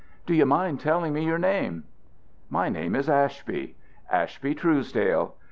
"Do you mind telling me your name?" "My name is Ashby. Ashby Truesdale.